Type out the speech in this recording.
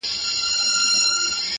ټول بکواسیات دي _